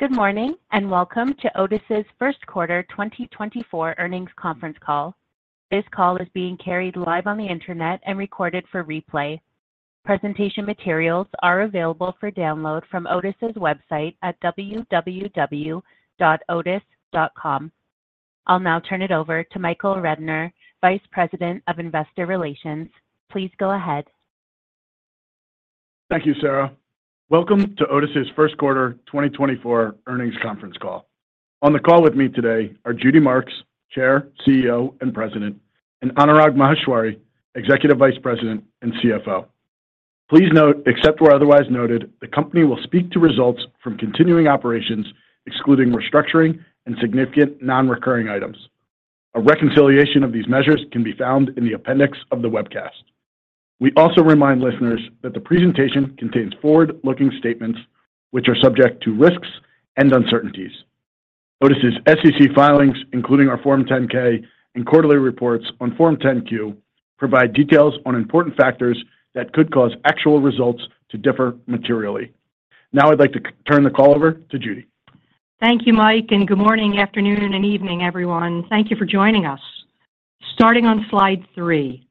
Good morning and welcome to Otis's First Quarter 2024 earnings conference call. This call is being carried live on the internet and recorded for replay. Presentation materials are available for download from Otis's website at www.otis.com. I'll now turn it over to Michael Rednor, Vice President of Investor Relations. Please go ahead. Thank you, Sarah. Welcome to Otis's first quarter 2024 earnings conference call. On the call with me today are Judy Marks, Chair, CEO, and President, and Anurag Maheshwari, Executive Vice President and CFO. Please note, except where otherwise noted, the company will speak to results from continuing operations, excluding restructuring and significant non-recurring items. A reconciliation of these measures can be found in the appendix of the webcast. We also remind listeners that the presentation contains forward-looking statements, which are subject to risks and uncertainties. Otis's SEC filings, including our Form 10-K and quarterly reports on Form 10-Q, provide details on important factors that could cause actual results to differ materially. Now I'd like to turn the call over to Judy. Thank you, Mike, and good morning, afternoon, and evening, everyone. Thank you for joining us. Starting on slide 3,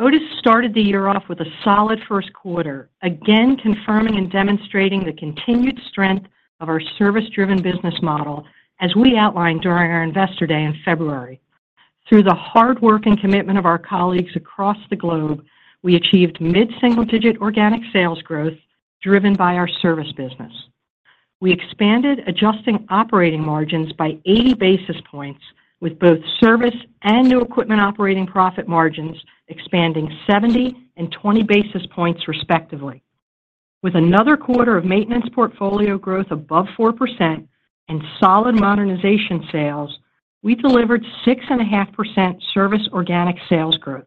Otis started the year off with a solid first quarter, again confirming and demonstrating the continued strength of our service-driven business model, as we outlined during our Investor Day in February. Through the hard work and commitment of our colleagues across the globe, we achieved mid-single-digit organic sales growth driven by our service business. We expanded, adjusting operating margins by 80 basis points, with both service and new equipment operating profit margins expanding 70 and 20 basis points, respectively. With another quarter of maintenance portfolio growth above 4% and solid modernization sales, we delivered 6.5% service organic sales growth.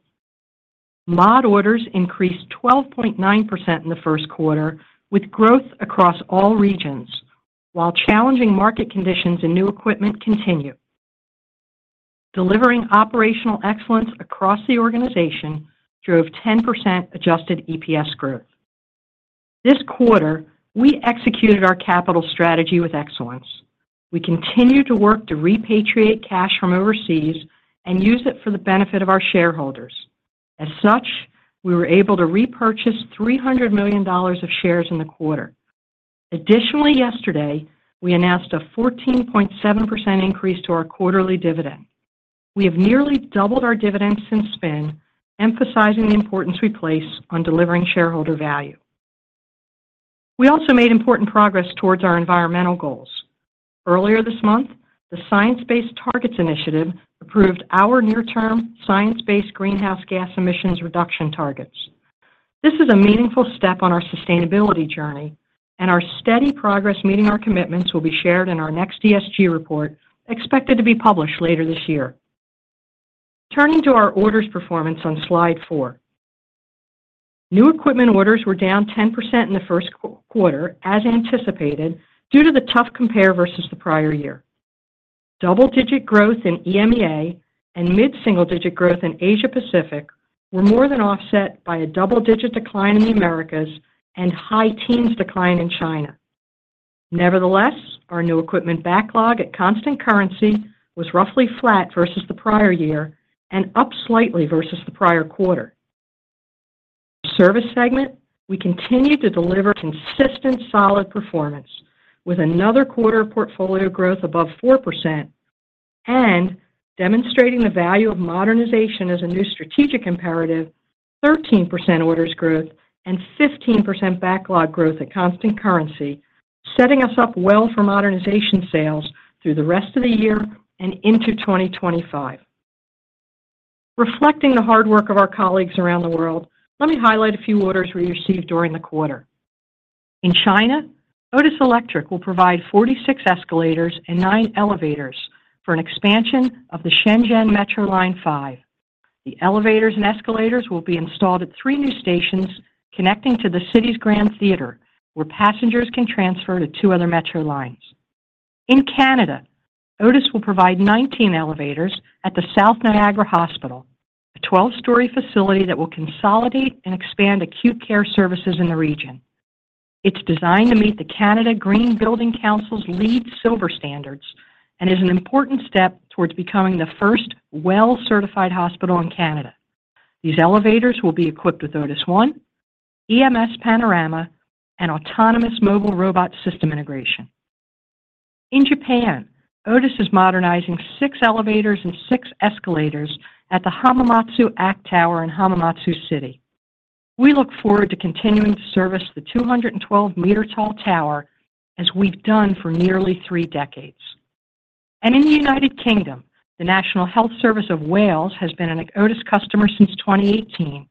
Mod orders increased 12.9% in the first quarter, with growth across all regions while challenging market conditions in new equipment continued. Delivering operational excellence across the organization drove 10% adjusted EPS growth. This quarter, we executed our capital strategy with excellence. We continue to work to repatriate cash from overseas and use it for the benefit of our shareholders. As such, we were able to repurchase $300 million of shares in the quarter. Additionally, yesterday, we announced a 14.7% increase to our quarterly dividend. We have nearly doubled our dividend since spin, emphasizing the importance we place on delivering shareholder value. We also made important progress towards our environmental goals. Earlier this month, the Science Based Targets initiative approved our near-term science-based greenhouse gas emissions reduction targets. This is a meaningful step on our sustainability journey, and our steady progress meeting our commitments will be shared in our next ESG report, expected to be published later this year. Turning to our orders performance on slide 4, new equipment orders were down 10% in the first quarter, as anticipated, due to the tough compare versus the prior year. Double-digit growth in EMEA and mid-single-digit growth in Asia-Pacific were more than offset by a double-digit decline in the Americas and high teens decline in China. Nevertheless, our new equipment backlog at constant currency was roughly flat versus the prior year and up slightly versus the prior quarter. Service segment, we continue to deliver consistent solid performance, with another quarter of portfolio growth above 4% and, demonstrating the value of modernization as a new strategic imperative, 13% orders growth and 15% backlog growth at constant currency, setting us up well for modernization sales through the rest of the year and into 2025. Reflecting the hard work of our colleagues around the world, let me highlight a few orders we received during the quarter. In China, Otis Electric will provide 46 escalators and nine elevators for an expansion of the Shenzhen Metro Line 5. The elevators and escalators will be installed at three new stations connecting to the city's Grand Theater, where passengers can transfer to two other metro lines. In Canada, Otis will provide 19 elevators at the South Niagara Hospital, a 12-story facility that will consolidate and expand acute care services in the region. It's designed to meet the Canada Green Building Council's LEED Silver standards and is an important step towards becoming the first WELL-certified hospital in Canada. These elevators will be equipped with Otis ONE, EMS Panorama, and autonomous mobile robot system integration. In Japan, Otis is modernizing six elevators and six escalators at the Hamamatsu ACT Tower in Hamamatsu City. We look forward to continuing to service the 212-meter-tall tower, as we've done for nearly three decades. In the United Kingdom, the National Health Service of Wales has been an Otis customer since 2018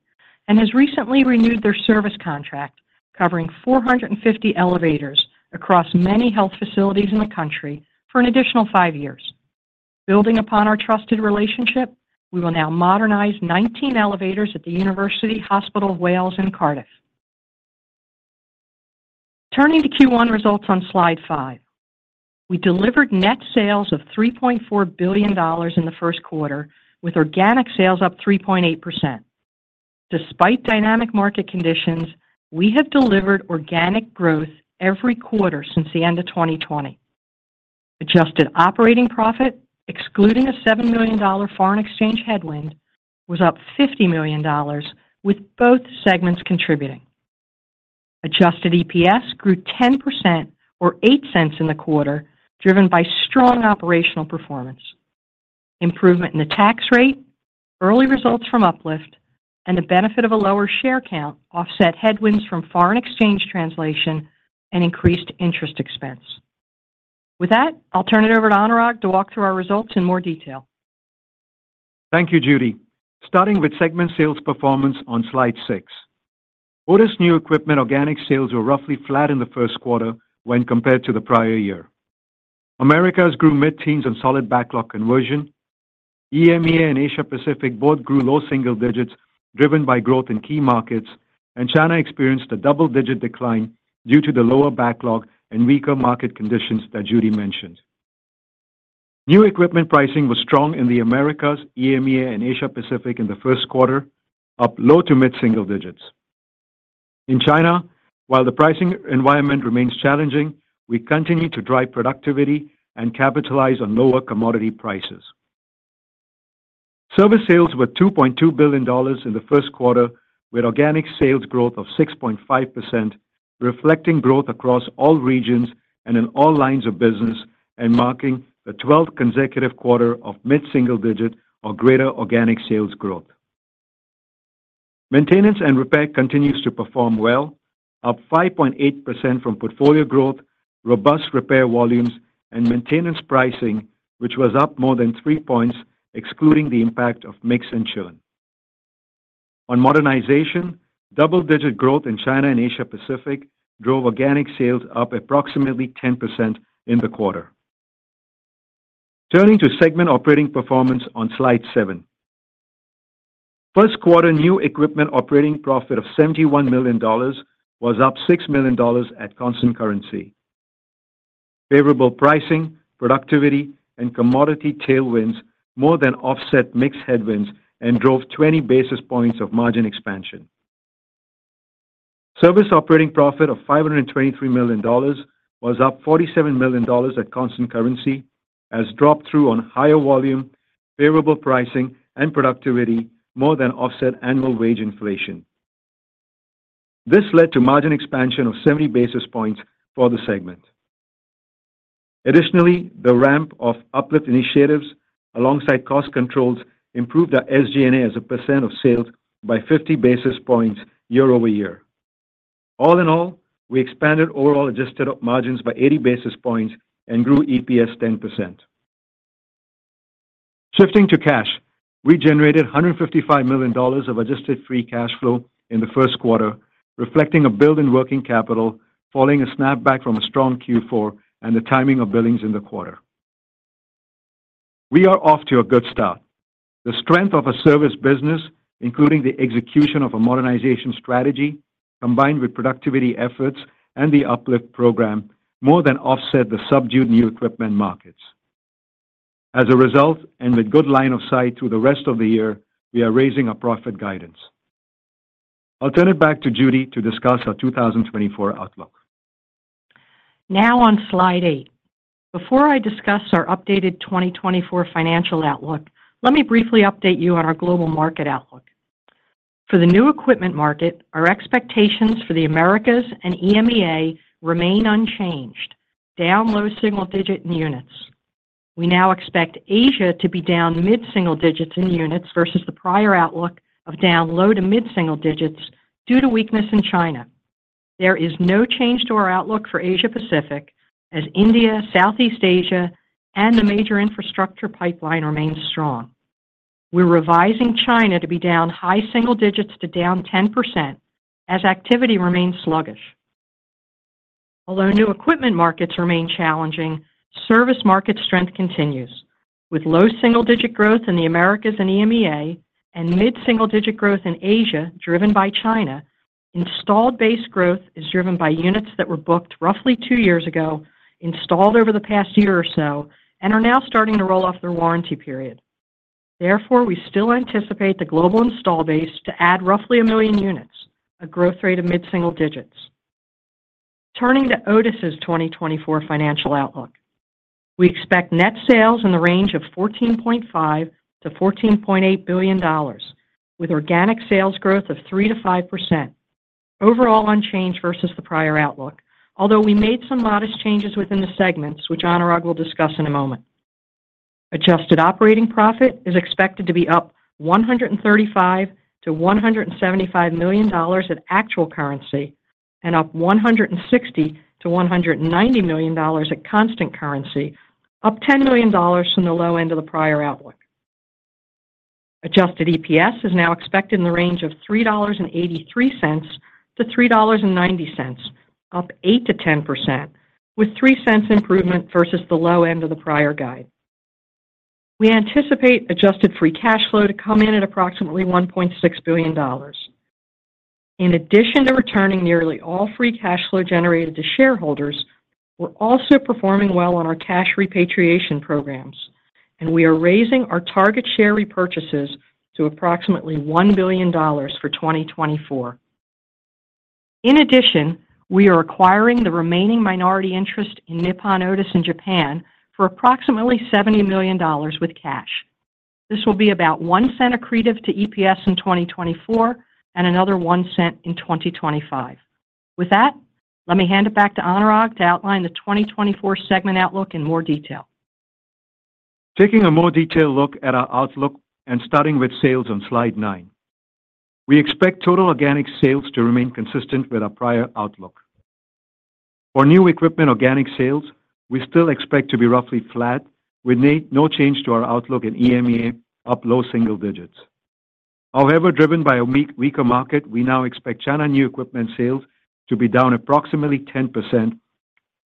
and has recently renewed their service contract, covering 450 elevators across many health facilities in the country for an additional five years. Building upon our trusted relationship, we will now modernize 19 elevators at the University Hospital of Wales in Cardiff. Turning to Q1 results on slide 5, we delivered net sales of $3.4 billion in the first quarter, with organic sales up 3.8%. Despite dynamic market conditions, we have delivered organic growth every quarter since the end of 2020. Adjusted operating profit, excluding a $7 million foreign exchange headwind, was up $50 million, with both segments contributing. Adjusted EPS grew 10% or $0.08 in the quarter, driven by strong operational performance. Improvement in the tax rate, early results from Uplift, and the benefit of a lower share count offset headwinds from foreign exchange translation and increased interest expense. With that, I'll turn it over to Anurag to walk through our results in more detail. Thank you, Judy. Starting with segment sales performance on slide 6, Otis new equipment organic sales were roughly flat in the first quarter when compared to the prior year. Americas grew mid-teens on solid backlog conversion. EMEA and Asia-Pacific both grew low single digits, driven by growth in key markets, and China experienced a double-digit decline due to the lower backlog and weaker market conditions that Judy mentioned. New equipment pricing was strong in the Americas, EMEA, and Asia-Pacific in the first quarter, up low to mid-single digits. In China, while the pricing environment remains challenging, we continue to drive productivity and capitalize on lower commodity prices. Service sales were $2.2 billion in the first quarter, with organic sales growth of 6.5%, reflecting growth across all regions and in all lines of business and marking the 12th consecutive quarter of mid-single digit or greater organic sales growth. Maintenance and repair continues to perform well, up 5.8% from portfolio growth, robust repair volumes, and maintenance pricing, which was up more than three points, excluding the impact of mix and churn. On modernization, double-digit growth in China and Asia-Pacific drove organic sales up approximately 10% in the quarter. Turning to segment operating performance on slide 7, first quarter new equipment operating profit of $71 million was up $6 million at constant currency. Favorable pricing, productivity, and commodity tailwinds more than offset mix headwinds and drove 20 basis points of margin expansion. Service operating profit of $523 million was up $47 million at constant currency as drop-through on higher volume, favorable pricing, and productivity more than offset annual wage inflation. This led to margin expansion of 70 basis points for the segment. Additionally, the ramp of Uplift initiatives, alongside cost controls, improved our SG&A as a percent of sales by 50 basis points year-over-year. All in all, we expanded overall adjusted margins by 80 basis points and grew EPS 10%. Shifting to cash, we generated $155 million of adjusted free cash flow in the first quarter, reflecting a build in working capital following a snapback from a strong Q4 and the timing of billings in the quarter. We are off to a good start. The strength of a service business, including the execution of a modernization strategy combined with productivity efforts and the Uplift program, more than offset the subdued new equipment markets. As a result, and with good line of sight through the rest of the year, we are raising our profit guidance. I'll turn it back to Judy to discuss our 2024 outlook. Now on slide 8, before I discuss our updated 2024 financial outlook, let me briefly update you on our global market outlook. For the new equipment market, our expectations for the Americas and EMEA remain unchanged, down low single-digit in units. We now expect Asia to be down mid-single digits in units versus the prior outlook of down low to mid-single digits due to weakness in China. There is no change to our outlook for Asia-Pacific as India, Southeast Asia, and the major infrastructure pipeline remain strong. We're revising China to be down high single digits to down 10% as activity remains sluggish. Although new equipment markets remain challenging, service market strength continues, with low single-digit growth in the Americas and EMEA and mid-single-digit growth in Asia driven by China. Installed base growth is driven by units that were booked roughly two years ago, installed over the past year or so, and are now starting to roll off their warranty period. Therefore, we still anticipate the global install base to add roughly 1 million units, a growth rate of mid-single digits. Turning to Otis's 2024 financial outlook, we expect net sales in the range of $14.5-$14.8 billion, with organic sales growth of 3%-5%, overall unchanged versus the prior outlook, although we made some modest changes within the segments, which Anurag will discuss in a moment. Adjusted operating profit is expected to be up $135-$175 million at actual currency and up $160-$190 million at constant currency, up $10 million from the low end of the prior outlook. Adjusted EPS is now expected in the range of $3.83-$3.90, up 8%-10%, with $0.03 improvement versus the low end of the prior guide. We anticipate adjusted free cash flow to come in at approximately $1.6 billion. In addition to returning nearly all free cash flow generated to shareholders, we're also performing well on our cash repatriation programs, and we are raising our target share repurchases to approximately $1 billion for 2024. In addition, we are acquiring the remaining minority interest in Nippon Otis in Japan for approximately $70 million with cash. This will be about $0.01 accretive to EPS in 2024 and another $0.01 in 2025. With that, let me hand it back to Anurag to outline the 2024 segment outlook in more detail. Taking a more detailed look at our outlook and starting with sales on slide 9, we expect total organic sales to remain consistent with our prior outlook. For new equipment organic sales, we still expect to be roughly flat, with no change to our outlook in EMEA, up low single digits. However, driven by a weaker market, we now expect China new equipment sales to be down approximately 10%,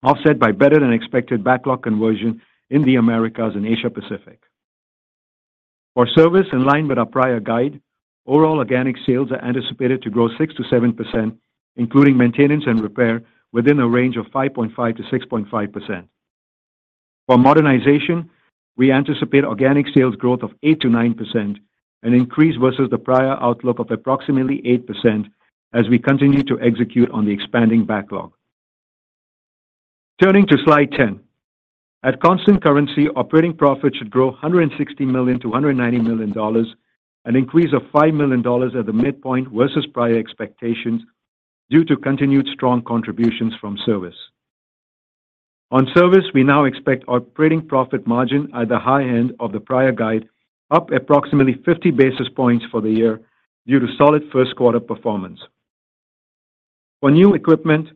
offset by better-than-expected backlog conversion in the Americas and Asia-Pacific. For service in line with our prior guide, overall organic sales are anticipated to grow 6%-7%, including maintenance and repair, within a range of 5.5%-6.5%. For modernization, we anticipate organic sales growth of 8%-9%, an increase versus the prior outlook of approximately 8%, as we continue to execute on the expanding backlog. Turning to slide 10, at constant currency, operating profit should grow $160 million-$190 million, an increase of $5 million at the midpoint versus prior expectations due to continued strong contributions from service. On service, we now expect operating profit margin at the high end of the prior guide, up approximately 50 basis points for the year due to solid first quarter performance. For new equipment,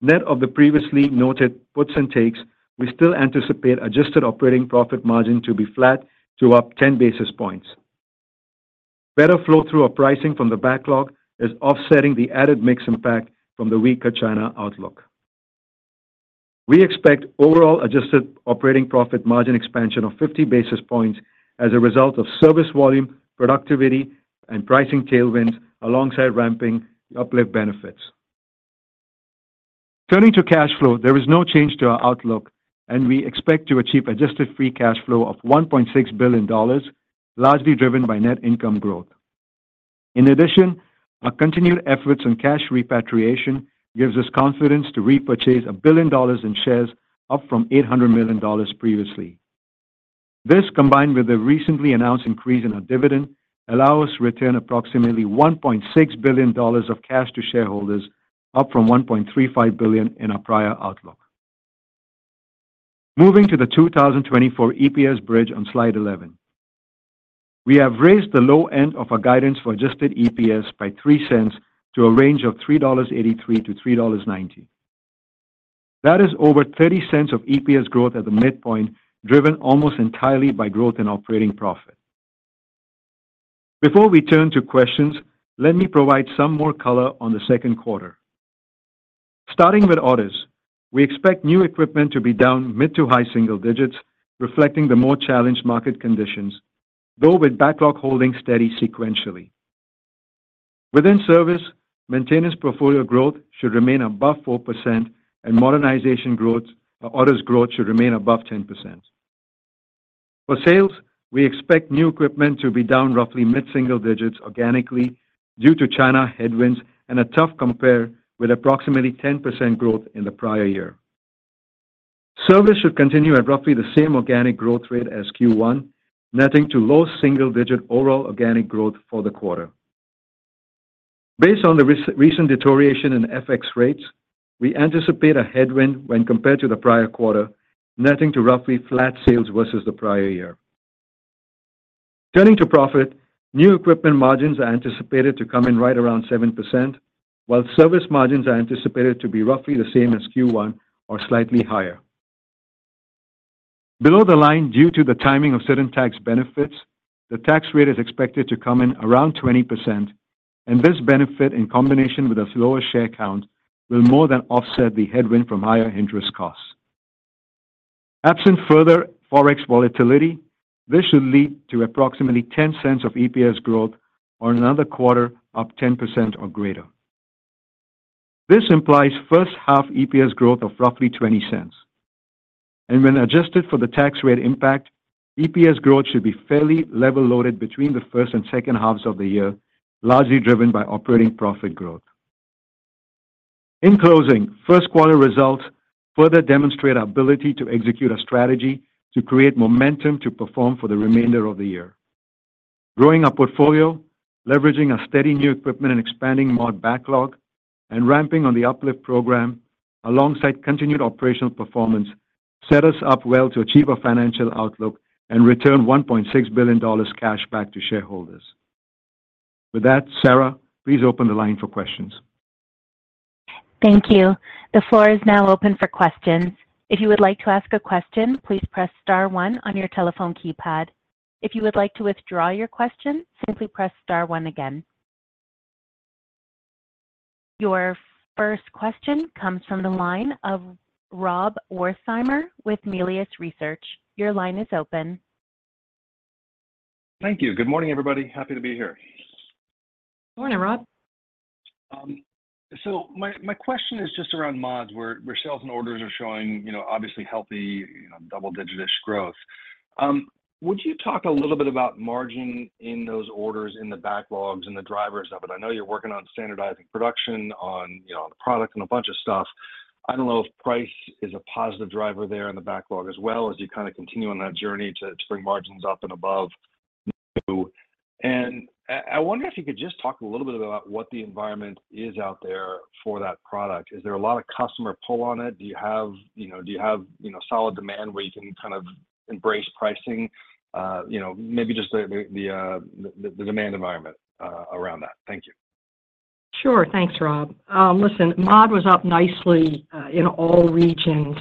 net of the previously noted puts and takes, we still anticipate adjusted operating profit margin to be flat to up 10 basis points. Better flow-through of pricing from the backlog is offsetting the added mix impact from the weaker China outlook. We expect overall adjusted operating profit margin expansion of 50 basis points as a result of service volume, productivity, and pricing tailwinds alongside ramping Uplift benefits. Turning to cash flow, there is no change to our outlook, and we expect to achieve Adjusted Free Cash Flow of $1.6 billion, largely driven by net income growth. In addition, our continued efforts on cash repatriation give us confidence to repurchase $1 billion in shares, up from $800 million previously. This, combined with the recently announced increase in our dividend, allows us to return approximately $1.6 billion of cash to shareholders, up from $1.35 billion in our prior outlook. Moving to the 2024 EPS bridge on slide 11, we have raised the low end of our guidance for Adjusted EPS by $0.03 to a range of $3.83-$3.90. That is over $0.30 of EPS growth at the midpoint, driven almost entirely by growth in operating profit. Before we turn to questions, let me provide some more color on the second quarter. Starting with Otis, we expect new equipment to be down mid- to high-single digits, reflecting the more challenged market conditions, though with backlog holding steady sequentially. Within service, maintenance portfolio growth should remain above 4%, and modernization growth, Otis growth should remain above 10%. For sales, we expect new equipment to be down roughly mid-single digits organically due to China headwinds and a tough compare with approximately 10% growth in the prior year. Service should continue at roughly the same organic growth rate as Q1, netting to low single-digit overall organic growth for the quarter. Based on the recent deterioration in FX rates, we anticipate a headwind when compared to the prior quarter, netting to roughly flat sales versus the prior year. Turning to profit, new equipment margins are anticipated to come in right around 7%, while service margins are anticipated to be roughly the same as Q1 or slightly higher. Below the line due to the timing of certain tax benefits, the tax rate is expected to come in around 20%, and this benefit, in combination with a slower share count, will more than offset the headwind from higher interest costs. Absent further forex volatility, this should lead to approximately $0.10 of EPS growth or another quarter up 10% or greater. This implies first half EPS growth of roughly $0.20. When adjusted for the tax rate impact, EPS growth should be fairly level loaded between the first and second halves of the year, largely driven by operating profit growth. In closing, first quarter results further demonstrate our ability to execute a strategy to create momentum to perform for the remainder of the year. Growing our portfolio, leveraging our steady new equipment and expanding mod backlog, and ramping on the Uplift program alongside continued operational performance set us up well to achieve our financial outlook and return $1.6 billion cash back to shareholders. With that, Sarah, please open the line for questions. Thank you. The floor is now open for questions. If you would like to ask a question, please press star 1 on your telephone keypad. If you would like to withdraw your question, simply press star 1 again. Your first question comes from the line of Rob Wertheimer with Melius Research. Your line is open. Thank you. Good morning, everybody. Happy to be here. Morning, Rob. My question is just around mods where sales and orders are showing obviously healthy double-digit-ish growth. Would you talk a little bit about margin in those orders, in the backlogs, and the drivers of it? I know you're working on standardizing production, on the product, and a bunch of stuff. I don't know if price is a positive driver there in the backlog as well as you kind of continue on that journey to bring margins up and above. I wonder if you could just talk a little bit about what the environment is out there for that product. Is there a lot of customer pull on it? Do you have solid demand where you can kind of embrace pricing? Maybe just the demand environment around that. Thank you. Sure. Thanks, Rob. Listen, mod was up nicely in all regions.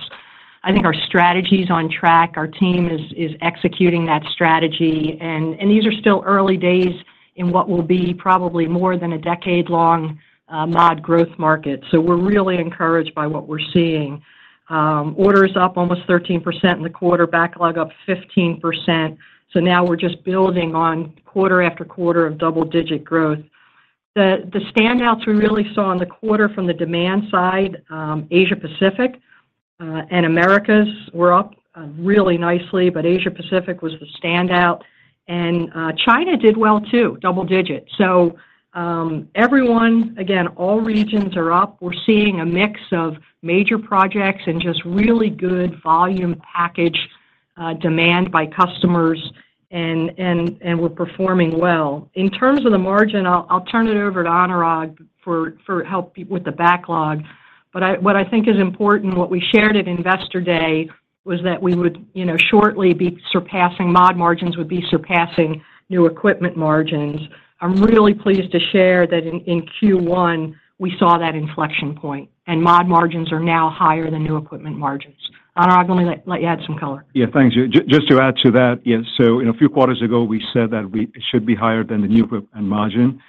I think our strategy is on track. Our team is executing that strategy. These are still early days in what will be probably more than a decade-long mod growth market. We're really encouraged by what we're seeing. Orders up almost 13% in the quarter, backlog up 15%. Now we're just building on quarter after quarter of double-digit growth. The standouts we really saw in the quarter from the demand side, Asia-Pacific and Americas were up really nicely, but Asia-Pacific was the standout. China did well too, double-digit. Everyone, again, all regions are up. We're seeing a mix of major projects and just really good volume package demand by customers, and we're performing well. In terms of the margin, I'll turn it over to Anurag for help with the backlog. What I think is important, what we shared at Investor Day, was that we would shortly be surpassing mod margins would be surpassing new equipment margins. I'm really pleased to share that in Q1, we saw that inflection point, and mod margins are now higher than new equipment margins. Anurag, let me let you add some color. Yeah, thanks. Just to add to that, yes, so a few quarters ago, we said that we should be higher than the new equipment margin.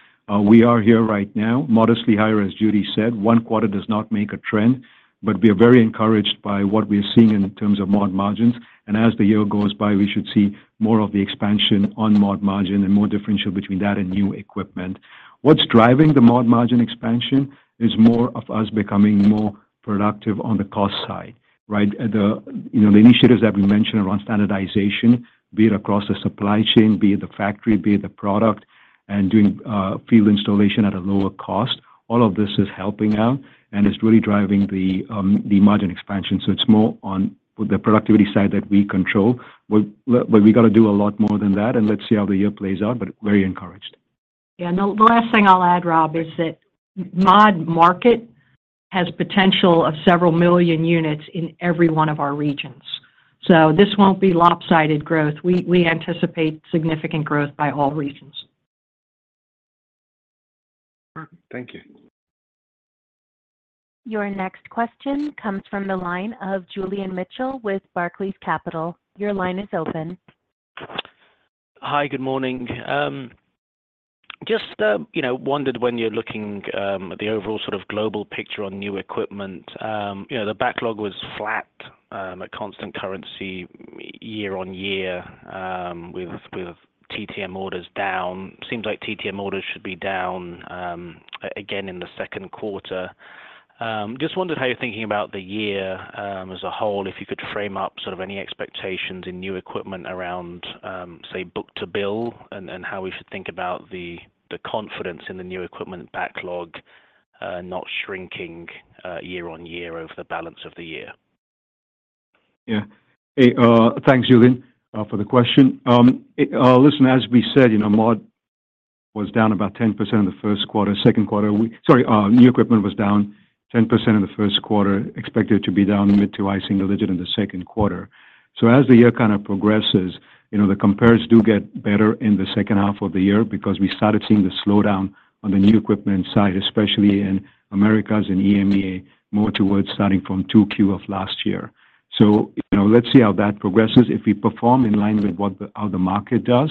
We are here right now, modestly higher as Judith said. One quarter does not make a trend, but we are very encouraged by what we are seeing in terms of mod margins. And as the year goes by, we should see more of the expansion on mod margin and more differential between that and new equipment. What's driving the mod margin expansion is more of us becoming more productive on the cost side, right? The initiatives that we mentioned around standardization, be it across the supply chain, be it the factory, be it the product, and doing field installation at a lower cost, all of this is helping out and is really driving the margin expansion. It's more on the productivity side that we control, but we got to do a lot more than that. Let's see how the year plays out, but very encouraged. Yeah. The last thing I'll add, Rob, is that mod market has potential of several million units in every one of our regions. So this won't be lopsided growth. We anticipate significant growth by all regions. Thank you. Your next question comes from the line of Julian Mitchell with Barclays Capital. Your line is open. Hi. Good morning. Just wondered when you're looking at the overall sort of global picture on new equipment. The backlog was flat at constant currency year-over-year with TTM orders down. Seems like TTM orders should be down again in the second quarter. Just wondered how you're thinking about the year as a whole, if you could frame up sort of any expectations in new equipment around, say, book-to-bill and how we should think about the confidence in the new equipment backlog not shrinking year-over-year over the balance of the year. Yeah. Thanks, Julian, for the question. Listen, as we said, mod was down about 10% in the first quarter. Second quarter, sorry, new equipment was down 10% in the first quarter, expected to be down mid- to high-single-digit in the second quarter. So as the year kind of progresses, the compares do get better in the second half of the year because we started seeing the slowdown on the new equipment side, especially in Americas and EMEA, more towards starting from 2Q of last year. So let's see how that progresses. If we perform in line with how the market does,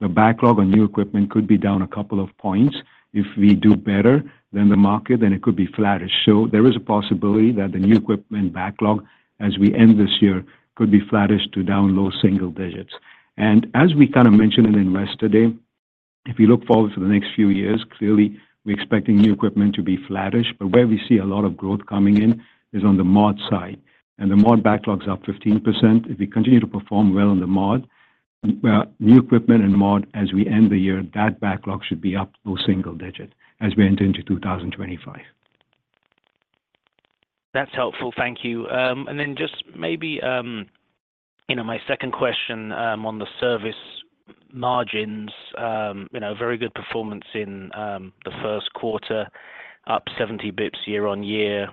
the backlog on new equipment could be down a couple of points. If we do better than the market, then it could be flattish. So there is a possibility that the new equipment backlog, as we end this year, could be flattish to down low-single-digits. As we kind of mentioned in Investor Day, if you look forward to the next few years, clearly, we're expecting new equipment to be flattish. But where we see a lot of growth coming in is on the mod side. The mod backlog's up 15%. If we continue to perform well on the mod, new equipment and mod, as we end the year, that backlog should be up low single digit as we enter into 2025. That's helpful. Thank you. And then just maybe my second question on the service margins, very good performance in the first quarter, up 70 bps year on year.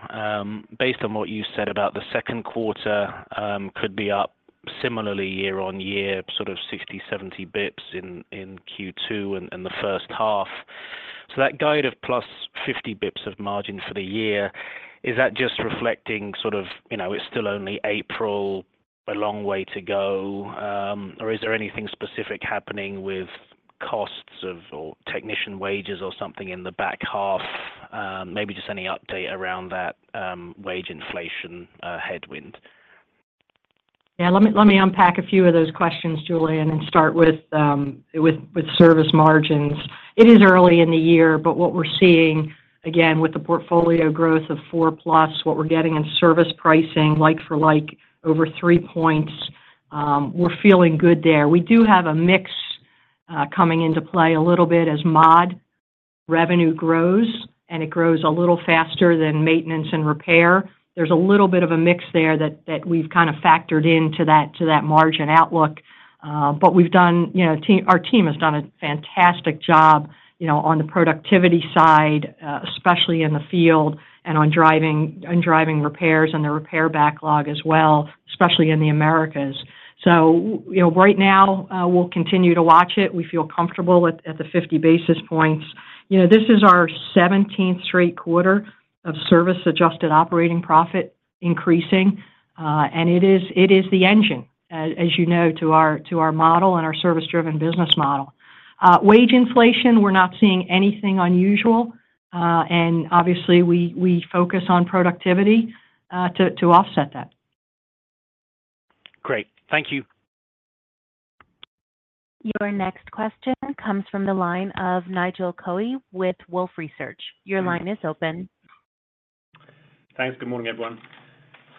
Based on what you said about the second quarter, could be up similarly year on year, sort of 60, 70 bps in Q2 and the first half. So that guide of plus 50 bps of margin for the year, is that just reflecting sort of it's still only April, a long way to go, or is there anything specific happening with costs or technician wages or something in the back half? Maybe just any update around that wage inflation headwind. Yeah. Let me unpack a few of those questions, Julian, and start with service margins. It is early in the year, but what we're seeing, again, with the portfolio growth of 4+, what we're getting in service pricing like for like over three points, we're feeling good there. We do have a mix coming into play a little bit as mod revenue grows, and it grows a little faster than maintenance and repair. There's a little bit of a mix there that we've kind of factored into that margin outlook. But our team has done a fantastic job on the productivity side, especially in the field and on driving repairs and the repair backlog as well, especially in the Americas. So right now, we'll continue to watch it. We feel comfortable at the 50 basis points. This is our 17th straight quarter of service adjusted operating profit increasing. It is the engine, as you know, to our model and our service-driven business model. Wage inflation, we're not seeing anything unusual. Obviously, we focus on productivity to offset that. Great. Thank you. Your next question comes from the line of Nigel Coe with Wolfe Research. Your line is open. Thanks. Good morning, everyone.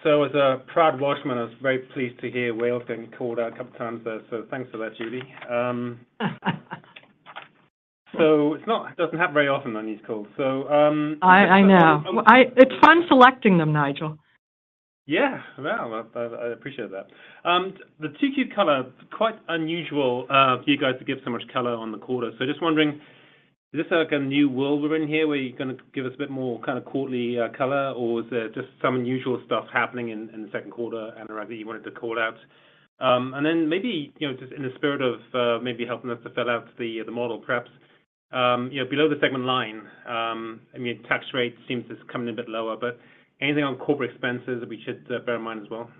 So as a proud Welshman, I was very pleased to hear Wales being called out a couple of times there. So thanks for that, Judy. So it doesn't happen very often on these calls. So. I know. It's fun selecting them, Nigel. Yeah. Well, I appreciate that. The 2Q color, quite unusual for you guys to give so much color on the quarter. So just wondering, is this a new world we're in here where you're going to give us a bit more kind of quarterly color, or is there just some unusual stuff happening in the second quarter, Anurag, that you wanted to call out? And then maybe just in the spirit of maybe helping us to fill out the model, perhaps below the segment line, I mean, tax rate seems to be coming in a bit lower, but anything on corporate expenses that we should bear in mind as well?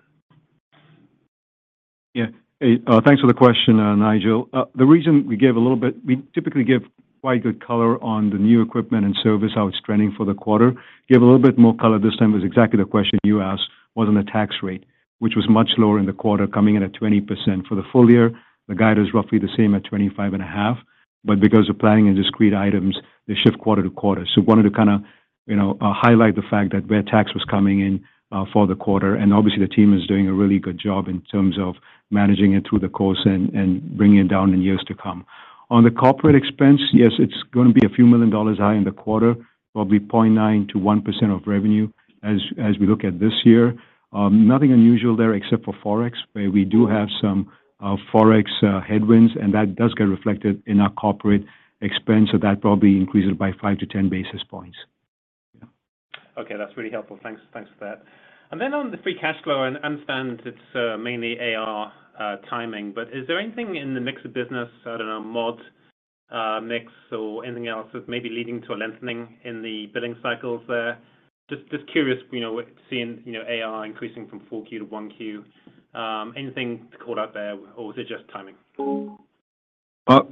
Yeah. Thanks for the question, Nigel. The reason we gave a little bit we typically give quite good color on the new equipment and service, how it's trending for the quarter. Gave a little bit more color this time was exactly the question you asked, was on the tax rate, which was much lower in the quarter, coming in at 20%. For the full year, the guide is roughly the same at 25.5%. But because of planning and discrete items, they shift quarter to quarter. So wanted to kind of highlight the fact that where tax was coming in for the quarter. And obviously, the team is doing a really good job in terms of managing it through the course and bringing it down in years to come. On the corporate expense, yes, it's going to be $a few million high in the quarter, probably 0.9%-1% of revenue as we look at this year. Nothing unusual there except for forex, where we do have some forex headwinds, and that does get reflected in our corporate expense. So that probably increases by 5-10 basis points. Okay. That's really helpful. Thanks for that. And then on the free cash flow, I understand it's mainly AR timing, but is there anything in the mix of business, I don't know, mod mix or anything else that's maybe leading to a lengthening in the billing cycles there? Just curious, seeing AR increasing from 4Q to 1Q, anything to call out there, or is it just timing?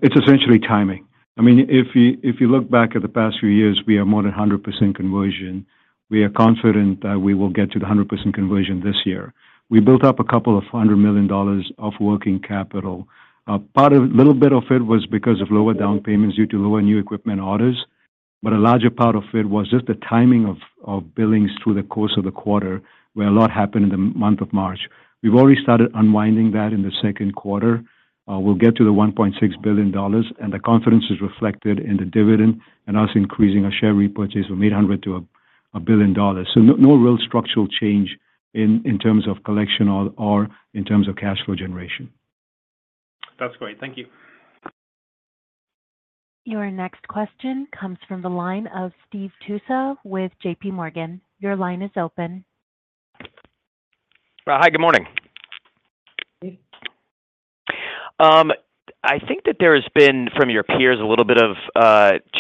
It's essentially timing. I mean, if you look back at the past few years, we are more than 100% conversion. We are confident that we will get to the 100% conversion this year. We built up $200 million of working capital. A little bit of it was because of lower down payments due to lower new equipment orders, but a larger part of it was just the timing of billings through the course of the quarter where a lot happened in the month of March. We've already started unwinding that in the second quarter. We'll get to the $1.6 billion, and the confidence is reflected in the dividend and us increasing our share repurchase from $800 million to $1 billion. So no real structural change in terms of collection or in terms of cash flow generation. That's great. Thank you. Your next question comes from the line of Steve Tusa with J.P. Morgan. Your line is open. Hi. Good morning. I think that there has been from your peers a little bit of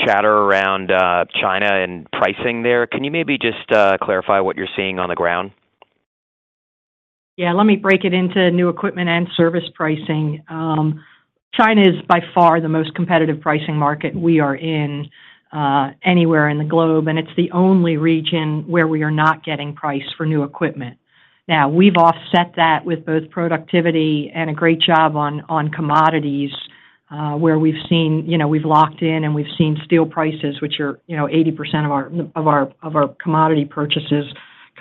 chatter around China and pricing there. Can you maybe just clarify what you're seeing on the ground? Yeah. Let me break it into new equipment and service pricing. China is by far the most competitive pricing market we are in anywhere in the globe, and it's the only region where we are not getting price for new equipment. Now, we've offset that with both productivity and a great job on commodities where we've seen we've locked in, and we've seen steel prices, which are 80% of our commodity purchases,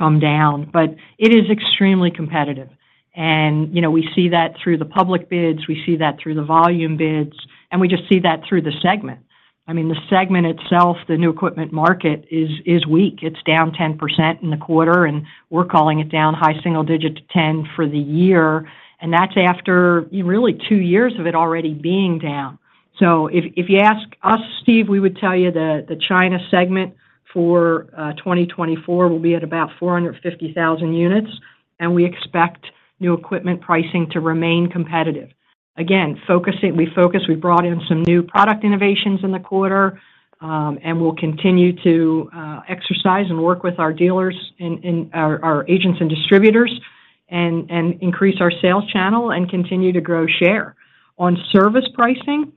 come down. But it is extremely competitive. And we see that through the public bids. We see that through the volume bids. And we just see that through the segment. I mean, the segment itself, the new equipment market, is weak. It's down 10% in the quarter, and we're calling it down high single digit-10% for the year. And that's after really two years of it already being down. So if you ask us, Steve, we would tell you the China segment for 2024 will be at about 450,000 units. We expect new equipment pricing to remain competitive. Again, we brought in some new product innovations in the quarter, and we'll continue to exercise and work with our dealers and our agents and distributors and increase our sales channel and continue to grow share. On service pricing,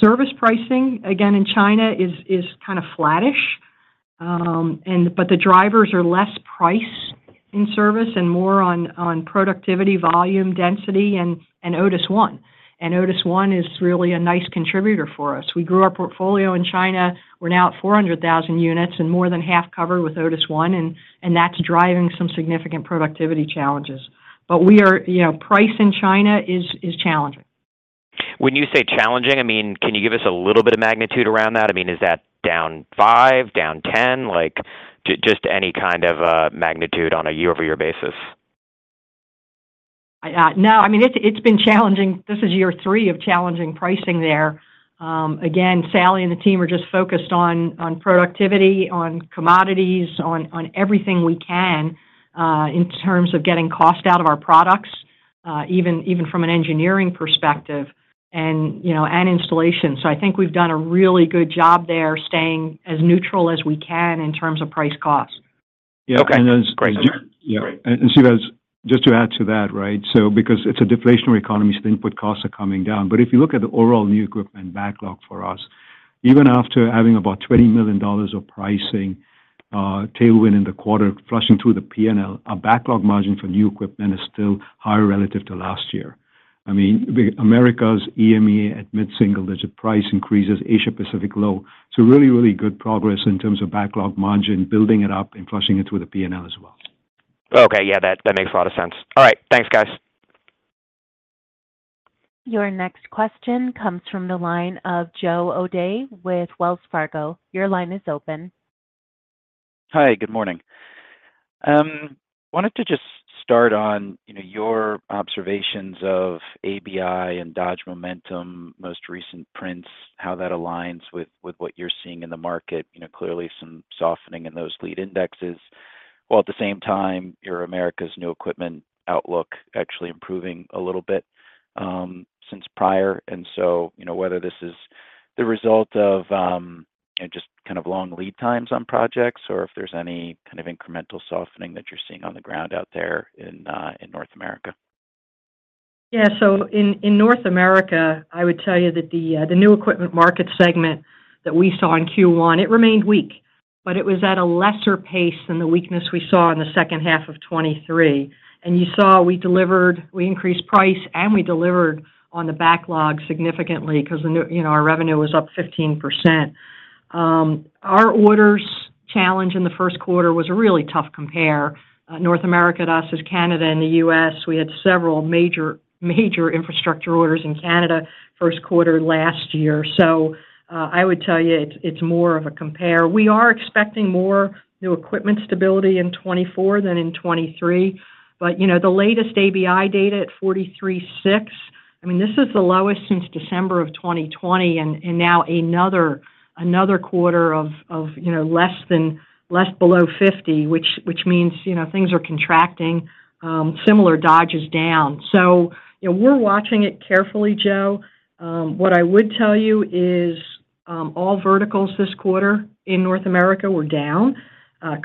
service pricing, again, in China is kind of flattish, but the drivers are less price in service and more on productivity, volume, density, and Otis ONE. Otis ONE is really a nice contributor for us. We grew our portfolio in China. We're now at 400,000 units and more than half covered with Otis ONE, and that's driving some significant productivity challenges. But price in China is challenging. When you say challenging, I mean, can you give us a little bit of magnitude around that? I mean, is that down five, down 10, just any kind of magnitude on a year-over-year basis? No. I mean, it's been challenging. This is year three of challenging pricing there. Again, Sally and the team are just focused on productivity, on commodities, on everything we can in terms of getting cost out of our products, even from an engineering perspective and installation. So I think we've done a really good job there staying as neutral as we can in terms of price-cost. Yeah. And then yeah. And Steve, just to add to that, right, so because it's a deflationary economy, so the input costs are coming down. But if you look at the overall new equipment backlog for us, even after having about $20 million of pricing tailwind in the quarter flushing through the P&L, our backlog margin for new equipment is still higher relative to last year. I mean, Americas, EMEA at mid-single digit price increases, Asia-Pacific low. So really, really good progress in terms of backlog margin, building it up and flushing it through the P&L as well. Okay. Yeah. That makes a lot of sense. All right. Thanks, guys. Your next question comes from the line of Joe O'Dea with Wells Fargo. Your line is open. Hi. Good morning. Wanted to just start on your observations of ABI and Dodge Momentum, most recent prints, how that aligns with what you're seeing in the market. Clearly, some softening in those leading indexes. While at the same time, your Americas new equipment outlook actually improving a little bit since prior. And so whether this is the result of just kind of long lead times on projects or if there's any kind of incremental softening that you're seeing on the ground out there in North America. Yeah. So in North America, I would tell you that the new equipment market segment that we saw in Q1, it remained weak, but it was at a lesser pace than the weakness we saw in the second half of 2023. And you saw we increased price, and we delivered on the backlog significantly because our revenue was up 15%. Our orders challenge in the first quarter was a really tough compare. North America to us is Canada and the U.S. We had several major infrastructure orders in Canada first quarter last year. So I would tell you it's more of a compare. We are expecting more new equipment stability in 2024 than in 2023. But the latest ABI data at 43.6, I mean, this is the lowest since December of 2020 and now another quarter of less than below 50, which means things are contracting. Similar, Dodge is down. We're watching it carefully, Joe. What I would tell you is all verticals this quarter in North America were down.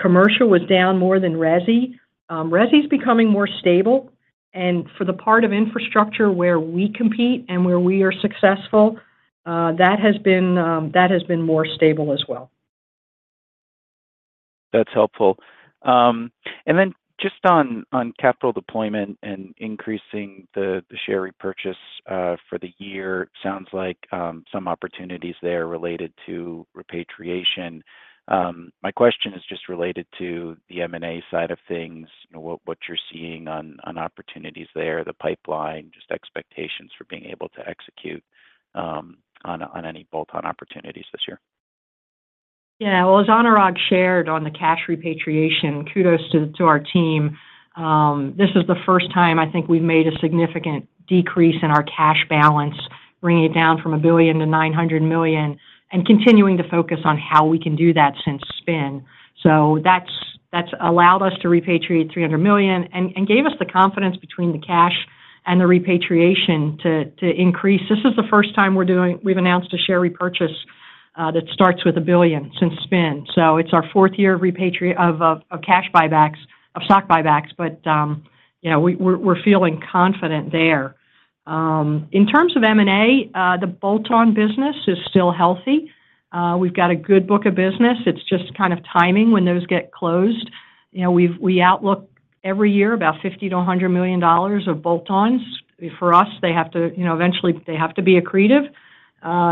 Commercial was down more than resi. Resi is becoming more stable. For the part of infrastructure where we compete and where we are successful, that has been more stable as well. That's helpful. Then just on capital deployment and increasing the share repurchase for the year, sounds like some opportunities there related to repatriation. My question is just related to the M&A side of things, what you're seeing on opportunities there, the pipeline, just expectations for being able to execute on any bolt-on opportunities this year. Yeah. Well, as Anurag shared on the cash repatriation, kudos to our team. This is the first time, I think, we've made a significant decrease in our cash balance, bringing it down from $1 billion to $900 million and continuing to focus on how we can do that since spin. So that's allowed us to repatriate $300 million and gave us the confidence between the cash and the repatriation to increase. This is the first time we've announced a share repurchase that starts with $1 billion since spin. So it's our fourth year of cash buybacks, of stock buybacks, but we're feeling confident there. In terms of M&A, the bolt-on business is still healthy. We've got a good book of business. It's just kind of timing when those get closed. We outlook every year about $50 million-$100 million of bolt-ons. For us, eventually, they have to be accretive.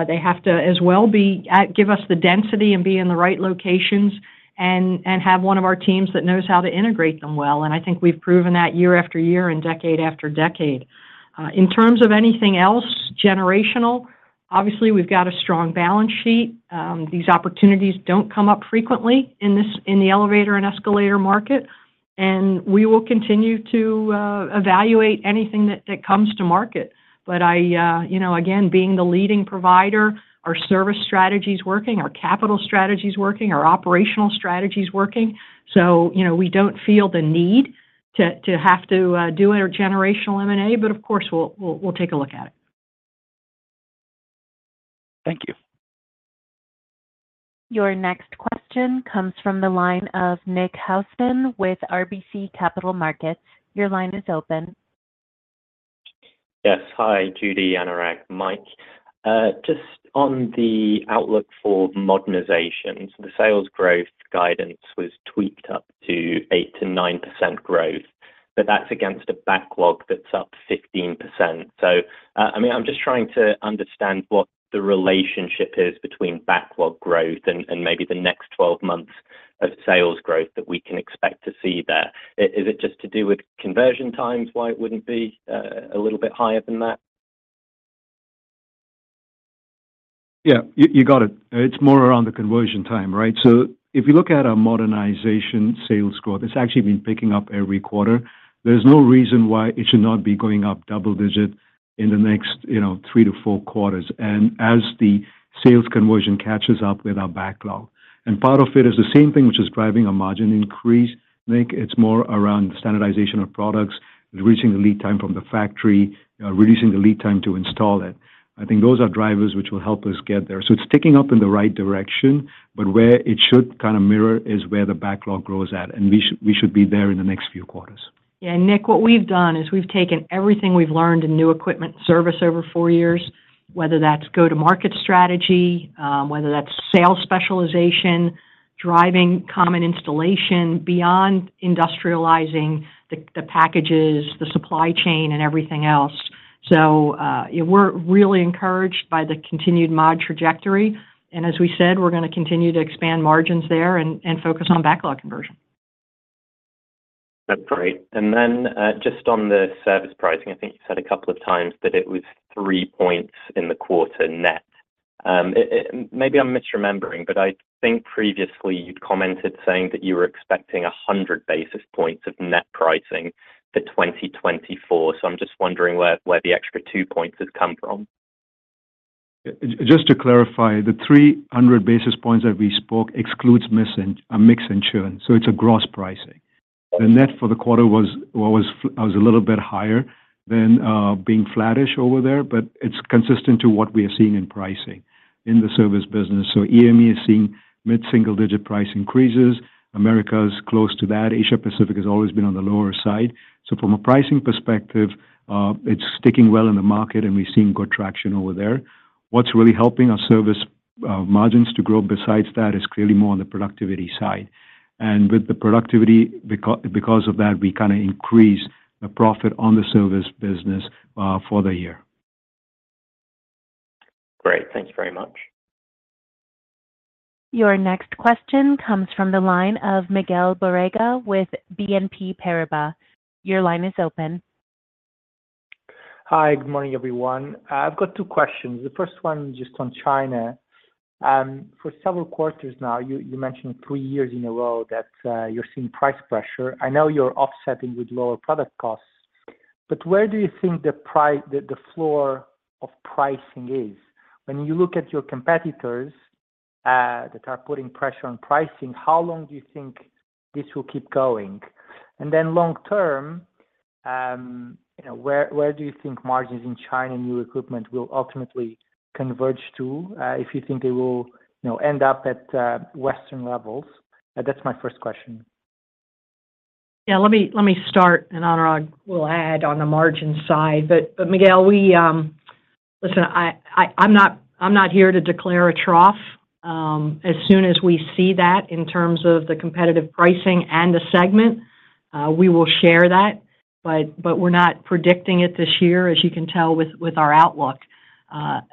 They have to as well give us the density and be in the right locations and have one of our teams that knows how to integrate them well. I think we've proven that year after year and decade after decade. In terms of anything else generational, obviously, we've got a strong balance sheet. These opportunities don't come up frequently in the elevator and escalator market. We will continue to evaluate anything that comes to market. But again, being the leading provider, our service strategy is working, our capital strategy is working, our operational strategy is working. So we don't feel the need to have to do it or generational M&A, but of course, we'll take a look at it. Thank you. Your next question comes from the line of Nick Housden with RBC Capital Markets. Your line is open. Yes. Hi, Judy, Anurag, Mike. Just on the outlook for modernization, so the sales growth guidance was tweaked up to 8%-9% growth, but that's against a backlog that's up 15%. So I mean, I'm just trying to understand what the relationship is between backlog growth and maybe the next 12 months of sales growth that we can expect to see there. Is it just to do with conversion times why it wouldn't be a little bit higher than that? Yeah. You got it. It's more around the conversion time, right? So if you look at our modernization sales score, that's actually been picking up every quarter. There's no reason why it should not be going up double digit in the next 3-4 quarters as the sales conversion catches up with our backlog. And part of it is the same thing which is driving a margin increase, Nick. It's more around standardization of products, reducing the lead time from the factory, reducing the lead time to install it. I think those are drivers which will help us get there. So it's ticking up in the right direction, but where it should kind of mirror is where the backlog grows at. And we should be there in the next few quarters. Yeah. Nick, what we've done is we've taken everything we've learned in new equipment service over four years, whether that's go-to-market strategy, whether that's sales specialization, driving common installation beyond industrializing the packages, the supply chain, and everything else. So we're really encouraged by the continued mod trajectory. And as we said, we're going to continue to expand margins there and focus on backlog conversion. That's great. And then just on the service pricing, I think you said a couple of times that it was 3 points in the quarter net. Maybe I'm misremembering, but I think previously you'd commented saying that you were expecting 100 basis points of net pricing for 2024. So I'm just wondering where the extra 2 points have come from? Just to clarify, the 300 basis points that we spoke excludes a mix and churn. So it's a gross pricing. The net for the quarter was a little bit higher than being flattish over there, but it's consistent to what we are seeing in pricing in the service business. So EMEA is seeing mid-single digit price increases. America is close to that. Asia-Pacific has always been on the lower side. So from a pricing perspective, it's sticking well in the market, and we're seeing good traction over there. What's really helping our service margins to grow besides that is clearly more on the productivity side. And with the productivity, because of that, we kind of increase the profit on the service business for the year. Great. Thanks very much. Your next question comes from the line of Miguel Borrega with BNP Paribas. Your line is open. Hi. Good morning, everyone. I've got two questions. The first one just on China. For several quarters now, you mentioned 3 years in a row that you're seeing price pressure. I know you're offsetting with lower product costs, but where do you think the floor of pricing is? When you look at your competitors that are putting pressure on pricing, how long do you think this will keep going? And then long term, where do you think margins in China and new equipment will ultimately converge to if you think they will end up at Western levels? That's my first question. Yeah. Let me start, and Anurag will add on the margin side. But Miguel, listen, I'm not here to declare a trough. As soon as we see that in terms of the competitive pricing and the segment, we will share that. But we're not predicting it this year, as you can tell with our outlook.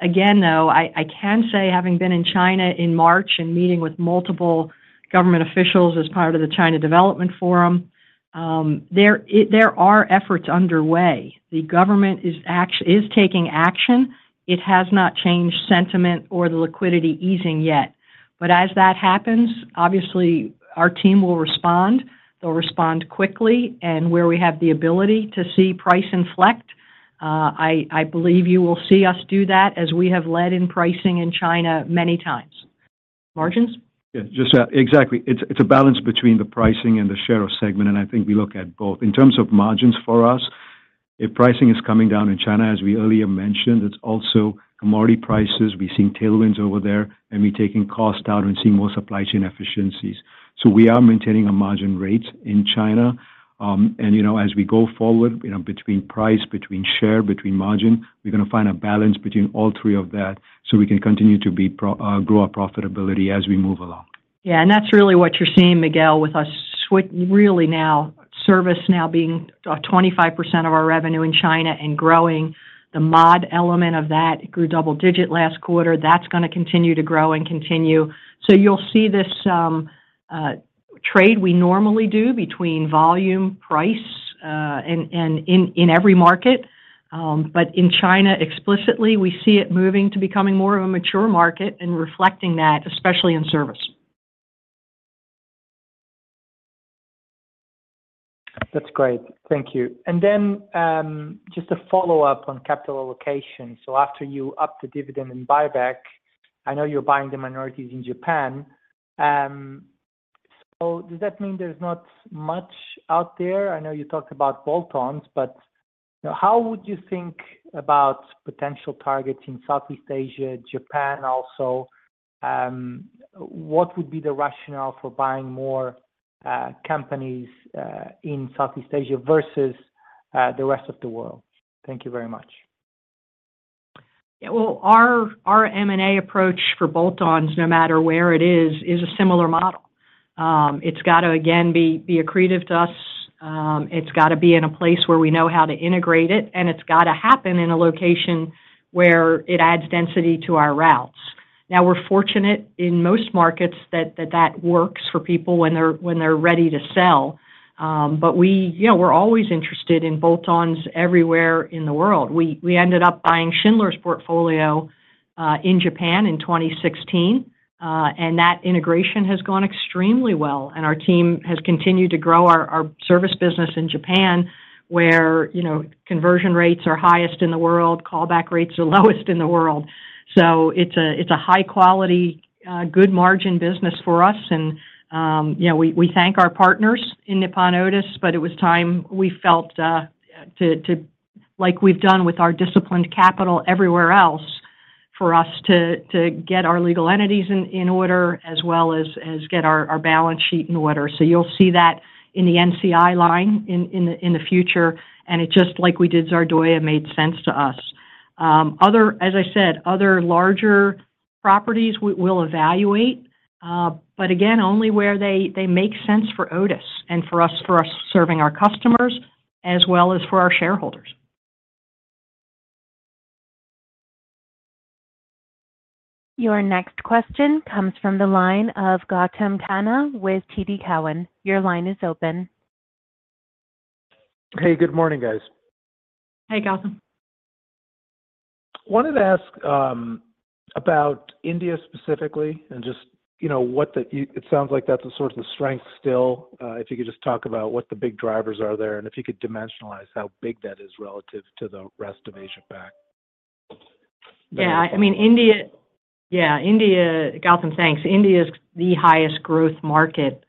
Again, though, I can say having been in China in March and meeting with multiple government officials as part of the China Development Forum, there are efforts underway. The government is taking action. It has not changed sentiment or the liquidity easing yet. But as that happens, obviously, our team will respond. They'll respond quickly. And where we have the ability to see price inflect, I believe you will see us do that as we have led in pricing in China many times. Margins? Yeah. Exactly. It's a balance between the pricing and the share of segment, and I think we look at both. In terms of margins for us, if pricing is coming down in China, as we earlier mentioned, it's also commodity prices. We're seeing tailwinds over there, and we're taking cost out and seeing more supply chain efficiencies. So we are maintaining our margin rates in China. As we go forward between price, between share, between margin, we're going to find a balance between all three of that so we can continue to grow our profitability as we move along. Yeah. And that's really what you're seeing, Miguel, with us really now service now being 25% of our revenue in China and growing. The mod element of that, it grew double digit last quarter. That's going to continue to grow and continue. So you'll see this trade we normally do between volume, price, and in every market. But in China, explicitly, we see it moving to becoming more of a mature market and reflecting that, especially in service. That's great. Thank you. And then just a follow-up on capital allocation. So after you upped the dividend and buyback, I know you're buying the minorities in Japan. So does that mean there's not much out there? I know you talked about bolt-ons, but how would you think about potential targets in Southeast Asia, Japan also? What would be the rationale for buying more companies in Southeast Asia versus the rest of the world? Thank you very much. Yeah. Well, our M&A approach for bolt-ons, no matter where it is, is a similar model. It's got to, again, be accretive to us. It's got to be in a place where we know how to integrate it, and it's got to happen in a location where it adds density to our routes. Now, we're fortunate in most markets that that works for people when they're ready to sell. But we're always interested in bolt-ons everywhere in the world. We ended up buying Schindler's portfolio in Japan in 2016, and that integration has gone extremely well. And our team has continued to grow our service business in Japan where conversion rates are highest in the world, callback rates are lowest in the world. So it's a high-quality, good margin business for us. We thank our partners in Nippon Otis, but it was time we felt like we've done with our disciplined capital everywhere else for us to get our legal entities in order as well as get our balance sheet in order. You'll see that in the NCI line in the future. It's just like we did Zardoya, made sense to us. As I said, other larger properties we'll evaluate. Again, only where they make sense for Otis and for us serving our customers as well as for our shareholders. Your next question comes from the line of Gautam Khanna with TD Cowen. Your line is open. Hey. Good morning, guys. Hey, Gautam. I wanted to ask about India specifically and just what it sounds like that's sort of the strength still. If you could just talk about what the big drivers are there and if you could dimensionalize how big that is relative to the rest of Asia-Pac. Yeah. I mean, India yeah, India, Gautam, thanks. India is the highest growth market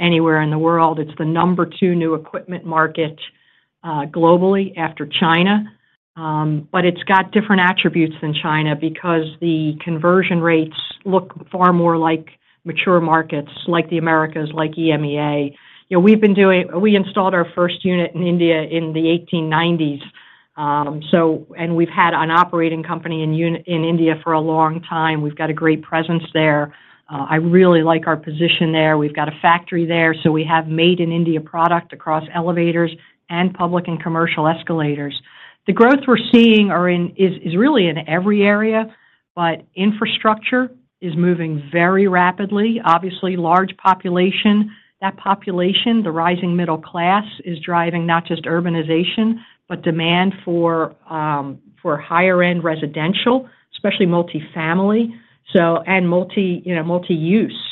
anywhere in the world. It's the number two new equipment market globally after China. But it's got different attributes than China because the conversion rates look far more like mature markets, like the Americas, like EMEA. We installed our first unit in India in the 1890s, and we've had an operating company in India for a long time. We've got a great presence there. I really like our position there. We've got a factory there, so we have made-in-India product across elevators and public and commercial escalators. The growth we're seeing is really in every area, but infrastructure is moving very rapidly. Obviously, large population. That population, the rising middle class, is driving not just urbanization but demand for higher-end residential, especially multifamily, and multi-use.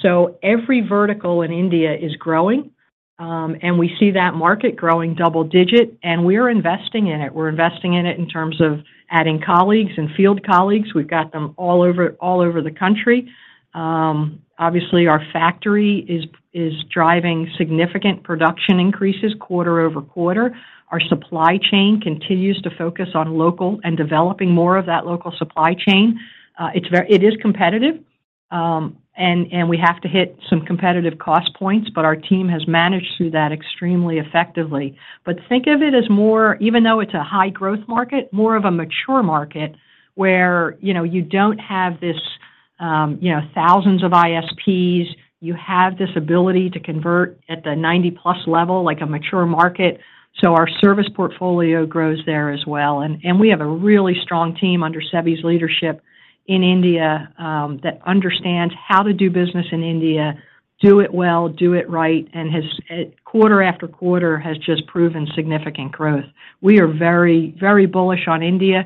So every vertical in India is growing, and we see that market growing double-digit. We're investing in it. We're investing in it in terms of adding colleagues and field colleagues. We've got them all over the country. Obviously, our factory is driving significant production increases quarter-over-quarter. Our supply chain continues to focus on local and developing more of that local supply chain. It is competitive, and we have to hit some competitive cost points, but our team has managed through that extremely effectively. But think of it as more even though it's a high-growth market, more of a mature market where you don't have these thousands of ISPs. You have this ability to convert at the 90-plus level, like a mature market. So our service portfolio grows there as well. We have a really strong team under Sebi's leadership in India that understands how to do business in India, do it well, do it right, and quarter after quarter has just proven significant growth. We are very, very bullish on India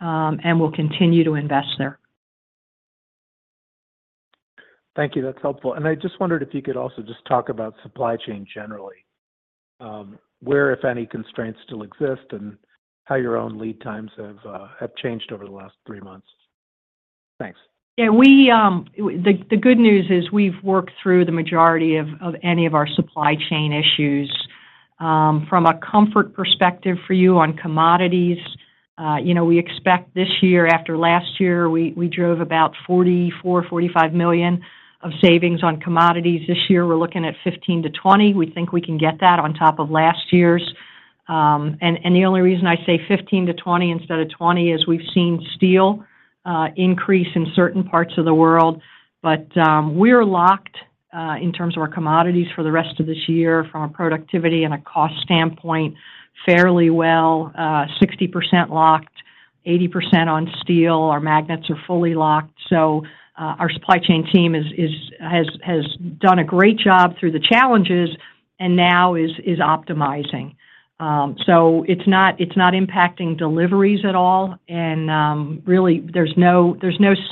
and will continue to invest there. Thank you. That's helpful. I just wondered if you could also just talk about supply chain generally, where, if any, constraints still exist and how your own lead times have changed over the last three months. Thanks. Yeah. The good news is we've worked through the majority of any of our supply chain issues. From a comfort perspective for you on commodities, we expect this year after last year, we drove about $44-$45 million of savings on commodities. This year, we're looking at $15-$20 million. We think we can get that on top of last year's. And the only reason I say $15-$20 million instead of $20 million is we've seen steel increase in certain parts of the world. But we're locked in terms of our commodities for the rest of this year from a productivity and a cost standpoint fairly well, 60% locked, 80% on steel. Our magnets are fully locked. So our supply chain team has done a great job through the challenges and now is optimizing. So it's not impacting deliveries at all, and really, there's no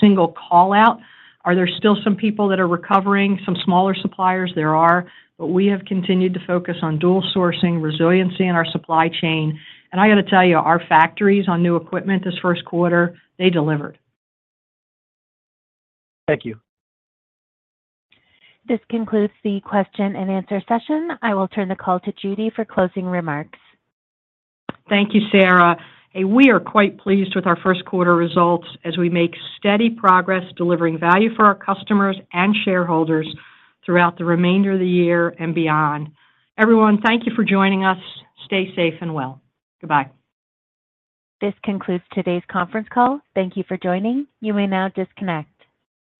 single callout. Are there still some people that are recovering, some smaller suppliers? There are. But we have continued to focus on dual sourcing, resiliency in our supply chain. And I got to tell you, our factories on new equipment this first quarter, they delivered. Thank you. This concludes the question and answer session. I will turn the call to Judy for closing remarks. Thank you, Sarah. Hey, we are quite pleased with our first quarter results as we make steady progress delivering value for our customers and shareholders throughout the remainder of the year and beyond. Everyone, thank you for joining us. Stay safe and well. Goodbye. This concludes today's conference call. Thank you for joining. You may now disconnect.